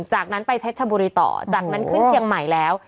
จากนั้นไปเพชรชบุรีต่อจากนั้นขึ้นเชียงใหม่แล้ว